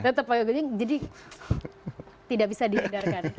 tetap pakai google jadi tidak bisa dihedarkan